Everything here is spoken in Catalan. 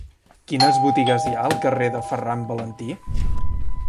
Quines botigues hi ha al carrer de Ferran Valentí?